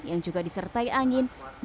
yang juga disertai angin